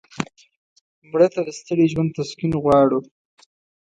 مړه ته د ستړي ژوند تسکین غواړو